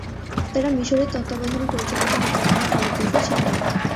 তারা মিশরের তত্ত্বাবধানে পরিচালিত হত এবং ফলপ্রসূ ছিল না।